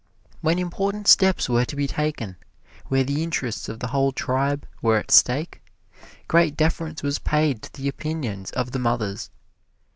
When important steps were to be taken where the interests of the whole tribe were at stake, great deference was paid to the opinions of the mothers.